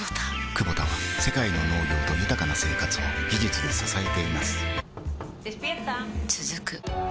クボタは世界の農業と豊かな生活を技術で支えています起きて。